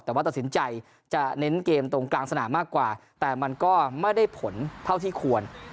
แต่ว่าตัดสินใจจะเน้นเกมตรงกลางสนามมากกว่าแต่มันก็ไม่ได้ผลเท่าที่ควร